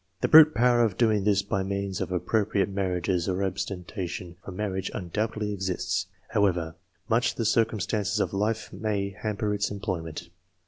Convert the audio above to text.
The brute power of doing this by means of appro priate marriages or abstention from marriage undoubtedly I 2 xx PREFATORY CHAPTER exists, however much the circumstances of social life may hamper its employment.